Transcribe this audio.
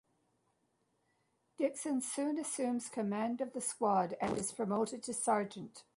Dixon soon assumes command of the squad and is promoted to sergeant.